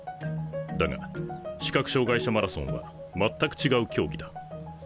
だが視覚障害者マラソンは全く違う競技だ。